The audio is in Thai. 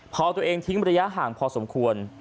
พอตัวเองทิ้งระยะห่างพอสมควร